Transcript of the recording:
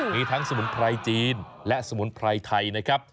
มีทั้งสมุนไพรจีนและสมุนไพรไทยนะครับ